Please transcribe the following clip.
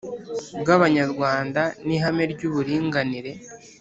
Bw’abanyarwanda n’ihame ry’uburinganire.